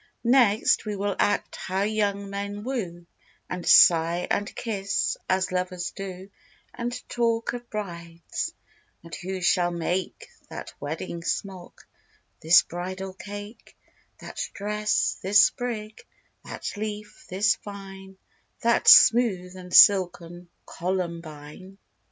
Next, we will act how young men woo, And sigh and kiss as lovers do; And talk of brides; and who shall make That wedding smock, this bridal cake, That dress, this sprig, that leaf, this vine, That smooth and silken columbine.